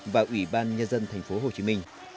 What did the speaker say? và ủy ban nhân dân tp hcm